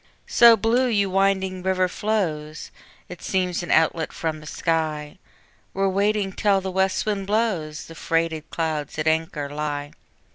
So blue you winding river flows, It seems an outlet from the sky, Where waiting till the west wind blows, The freighted clouds at anchor lie.